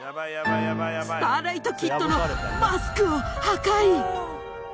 スターライト・キッドのマスクを破壊。